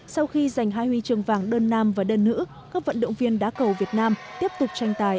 sau khi giành hai huy chương vàng đơn nam và đơn nữ các vận động viên đá cầu việt nam tiếp tục tranh tài